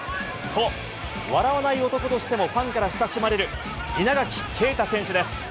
そう、笑わない男としてもファンから親しまれる、稲垣啓太選手です。